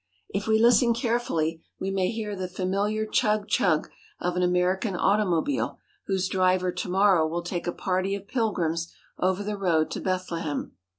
If we listen carefully we may hear the familiar chug chug of an American automobile whose driver to morrow will take a party of pilgrims over the road to Bethlehem.